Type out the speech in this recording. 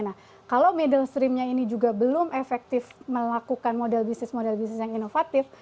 nah kalau middle streamnya ini juga belum efektif melakukan model bisnis model bisnis yang inovatif